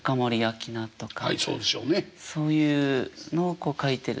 そういうのを書いてる。